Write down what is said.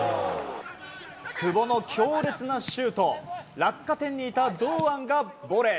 久保の強烈なシュート落下点にいた堂安がボレー。